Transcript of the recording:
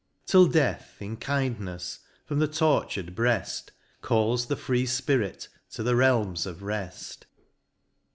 Till Death, in kindnefs, from the tortur'd breaft Calls the free fpirit to the realms of reft.